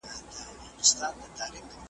نازولې د بادار یم معتبره ,